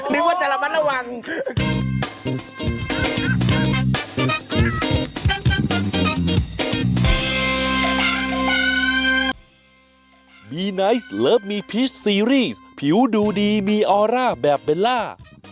มีไนซ์เลิฟมีพีชซีรีส์ผิวดูดีมีออร่าแบบเบลล่า